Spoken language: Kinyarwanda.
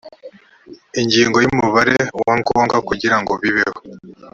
ingingo ya umubare wa ngombwa kugira ngo bibeho